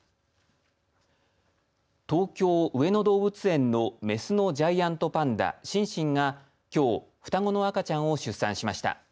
東京上野動物園のメスのジャイアントパンダシンシンがきょう双子の赤ちゃんを出産しました。